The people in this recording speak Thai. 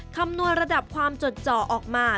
คำนวณระดับความจดจ่อออกมา